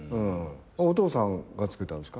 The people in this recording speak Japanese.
お父さんが付けたんですか？